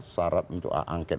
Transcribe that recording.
sarat untuk hak angket